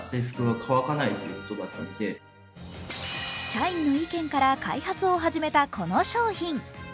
社員の意見から開発を始めたこの商品。